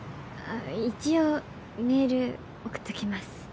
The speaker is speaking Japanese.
一応メール送っときます。